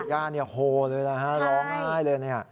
ย่าเนี่ยโหเลยนะร้องไห้เลย